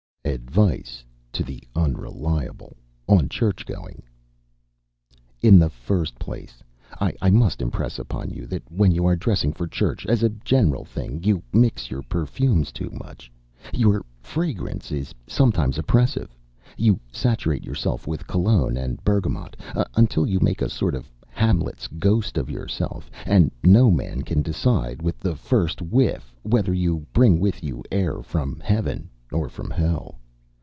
ADVICE TO THE UNRELIABLE ON CHURCH GOING In the first place, I must impress upon you that when you are dressing for church, as a general thing, you mix your perfumes too much; your fragrance is sometimes oppressive; you saturate yourself with cologne and bergamot, until you make a sort of Hamlet's Ghost of yourself, and no man can decide, with the first whiff, whether you bring with you air from Heaven or from hell.